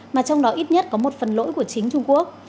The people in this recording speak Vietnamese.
mà trong đó ít nhất có một phần lỗi của chính trung quốc